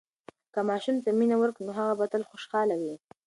که ماشوم ته مینه ورکړو، نو هغه به تل خوشحاله وي.